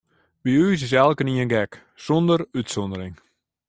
By ús is elkenien gek, sûnder útsûndering.